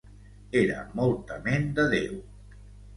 Era molt tement de Déu.